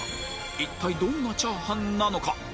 一体どんなチャーハンなのか？